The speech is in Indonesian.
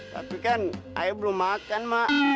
tapi kan ayah belum makan mak